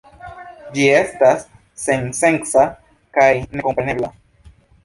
Ĝi estas sensenca kaj nekomprenebla.